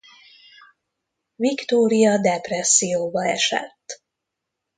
Viktória depresszióba esett.